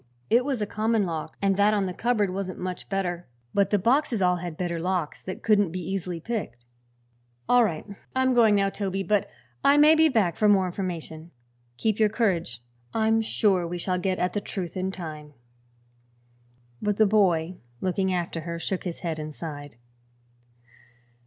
It was a common lock and that on the cupboard wasn't much better. But the boxes all had better locks, that couldn't be easily picked." "All right. I'm going now, Toby, but I may be back for more information. Keep your courage; I'm sure we shall get at the truth in time." But the boy, looking after her, shook his head and sighed.